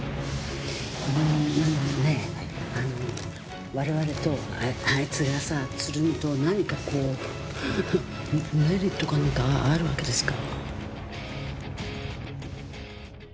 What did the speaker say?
うーんねえあの我々とあいつがさつるむと何かこうメリットかなんかあるわけですか？